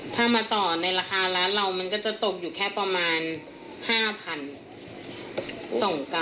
ถ้ามาต่อในราคาร้านเรามันก็จะตกอยู่แค่ประมาณ๕๐๐